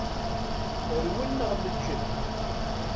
Rwel neɣ meǧǧed.